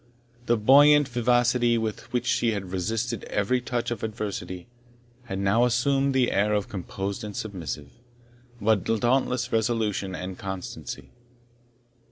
The buoyant vivacity with which she had resisted every touch of adversity, had now assumed the air of composed and submissive, but dauntless resolution and constancy.